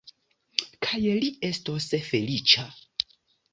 Kaj li estos feliĉa!